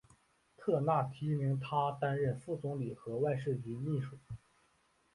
特纳提名他担任副总理和外事局秘书。